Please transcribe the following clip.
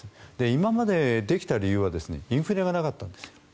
今までできた理由はインフレがなかったんですよ。